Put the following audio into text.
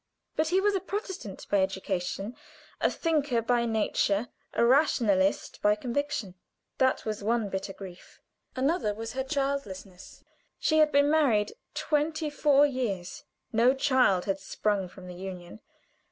But he was a Protestant by education, a thinker by nature, a rationalist by conviction. That was one bitter grief. Another was her childlessness. She had been married twenty four years; no child had sprung from the union.